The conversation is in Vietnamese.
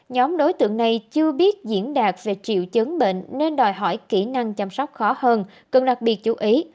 nhóm đối tượng này chưa biết diễn đạt về triệu chứng bệnh nên đòi hỏi kỹ năng chăm sóc khó hơn cần đặc biệt chú ý